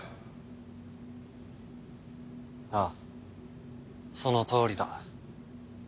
ああそのとおりだ。